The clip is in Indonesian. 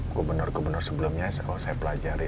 gubernur gubernur sebelumnya saya pelajari